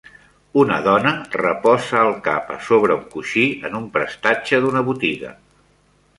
Una dona reposa el cap a sobre un coixí en un prestatge d'una botiga.